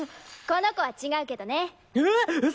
この子は違うけどね。